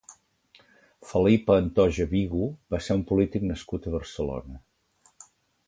Felipe Antoja Vigo va ser un polític nascut a Barcelona.